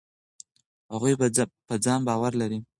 هغوی په ځان باور لري.